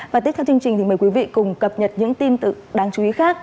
và tiếp theo chương trình thì mời quý vị cùng cập nhật những tin tức đáng chú ý khác